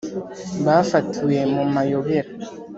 bafatiwe mu mayobera ...